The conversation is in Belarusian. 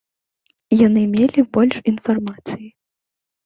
Яны мелі больш інфармацыі.